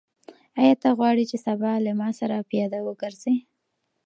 آیا ته غواړې چې سبا له ما سره پیاده وګرځې؟